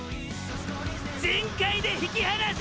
全開で引き離せ！！